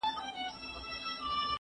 زه به نان خوړلی وي،